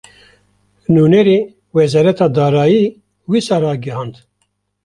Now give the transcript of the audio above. Nûnerê Wezareta Darayî, wisa ragihand